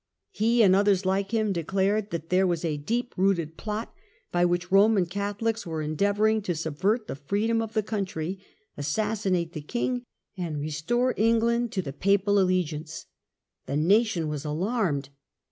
He, and others like him, declared that there wa*s a deep rooted plot by which Roman Catholics were endeavouring to subvert the freedom of the country, assassinate the king, and restore England to the Papal allegiance. The nation was alarmed.